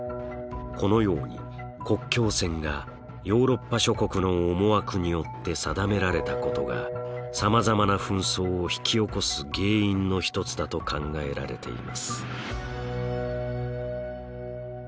このように国境線がヨーロッパ諸国の思惑によって定められたことがさまざまな紛争を引き起こす原因の一つだと考えられています。